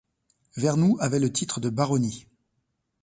Vernou avait le titre de baronnie.